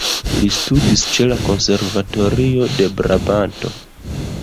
Li studis ĉe la konservatorio de Brabanto.